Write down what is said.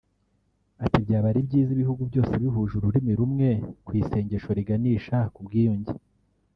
Ati “Byaba byiza ibihugu byose bihuje ururimi rumwe ku isengesho riganisha ku bwiyunge